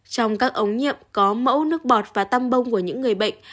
trong các ống nhiệm có mẫu nước bọt và tăm bông của những người bệnh